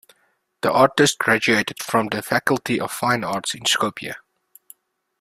The artist graduated from the Faculty of Fine Art in Skopje.